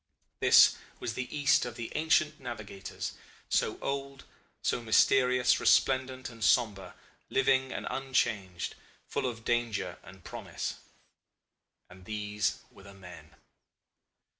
This was the East of the ancient navigators, so old, so mysterious, resplendent and somber, living and unchanged, full of danger and promise. And these were the men.